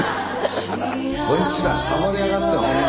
こいつらサボりやがってほんま。